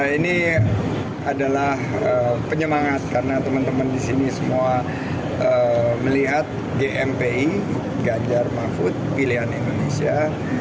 ini adalah penyemangat karena teman teman di sini semua melihat gmpi ganjar mahfud pilihan indonesia